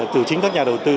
từ chính các nhà đầu tư